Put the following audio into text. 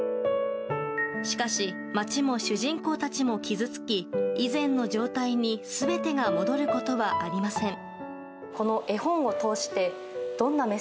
しかし、町も主人公たちも傷つき以前の状態に全てが戻ることはありません。